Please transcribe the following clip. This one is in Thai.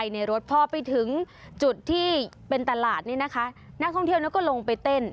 นี่เป็นตลาดนี่นะคะนักท่องเที่ยวก็ลงไปเต้น